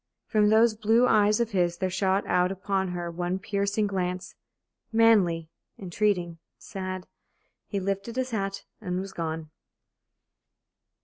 From those blue eyes of his there shot out upon her one piercing glance manly, entreating, sad. He lifted his hat and was gone.